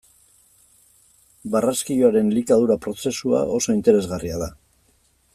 Barraskiloaren elikadura prozesua oso interesgarria da.